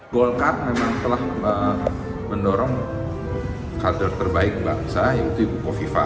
golkar memang telah mendorong kader terbaik bangsa yaitu ibu kofifa